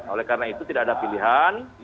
oleh karena itu tidak ada pilihan